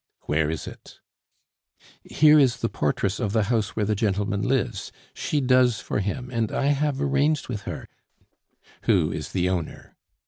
"Where is it?" "Here is the portress of the house where the gentleman lives; she does for him, and I have arranged with her " "Who is the owner?"